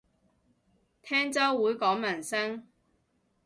聽週會講民主